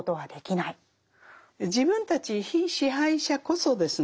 自分たち被支配者こそですね